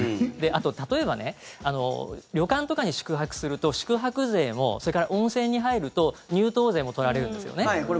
例えば旅館とかに宿泊すると宿泊税もそれから温泉に入ると入湯税も取られるんですよね。